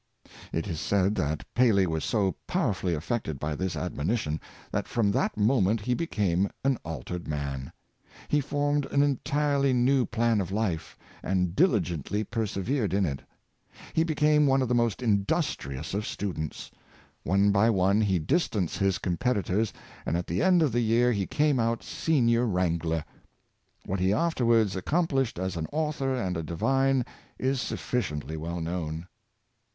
It is said that Paley was so powerfully affected by this admonition, that from that moment he became an altered man. He formed an entirely new plan of life, and diligently persevered in it. He became one of the most industrious of students. One by one he distanced his competitors, and at the end of the year he came out senior wrangler. What he afterwards accomplished as an author and a divine is sufficiently well known.